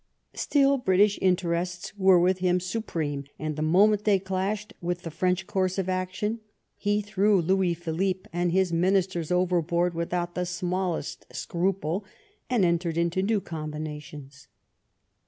* Still British interests were with him supreme, and the moment they clashed with the French course of action he threw Louis Philippe and his ministers overboard without the smallest scruple, and entered into new combinations.